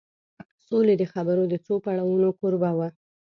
سولې د خبرو د څو پړاوونو کوربه و